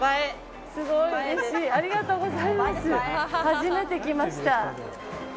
初めて来ました。